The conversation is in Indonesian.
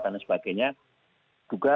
dan sebagainya juga